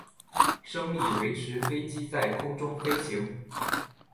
升力维持飞机在空中飞行。